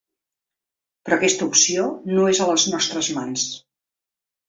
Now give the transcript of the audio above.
Però aquesta opció no és a les nostres mans.